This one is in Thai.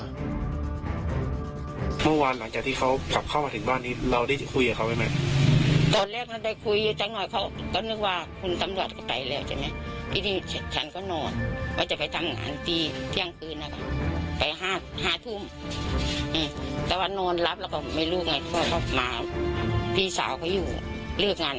ก็ไม่เป็นอืมแต่ถ้าไม่กินเหล้าดีค่ะเขาดีอืมปกติเขาทำงาน